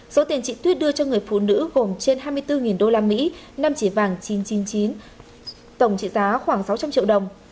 sau khi chị thuyết đưa cho người phụ nữ gồm trên hai mươi bốn đô la mỹ năm chỉ vàng chín trăm chín mươi chín tổng trị giá khoảng sáu trăm linh triệu đồng